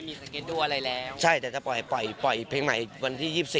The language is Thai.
ไม่มีสเกดูลอะไรแล้วใช่แต่จะปล่อยเพลงใหม่วันที่๒๔นี้